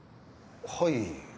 はい。